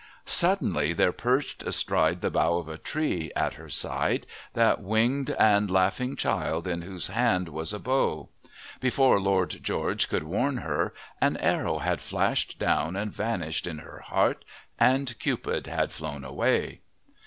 Suddenly there perched astride the bough of a tree, at her side, that winged and laughing child in whose hand was a bow. Before Lord George could warn her, an arrow had flashed down and vanished in her heart, and Cupid had flown away.